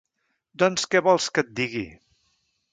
Doncs què vols que et digui...